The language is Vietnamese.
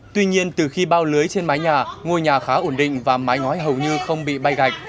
tuy nhiên từ khi bao lưới trên mái nhà ngôi nhà khá ổn định và mái ngói hầu như không bị bay gạch